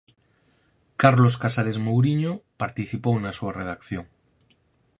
Carlos Casares Mouriño participou na súa redacción.